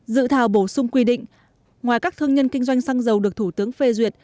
dự thảo bổ sung quy định ngoài các thương nhân kinh doanh xăng dầu được thủ tướng phê duyệt